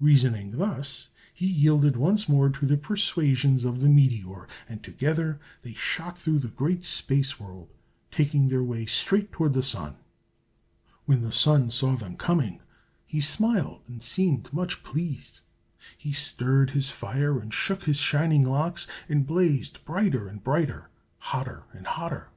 Reasoning thus, he yielded once more to the persuasions of the meteor, and together they shot through the great space world, taking their way straight toward the Sun. When the Sun saw them coming, he smiled and seemed much pleased. He stirred his fire, and shook his shining locks, and blazed brighter and brighter, hotter and hotter.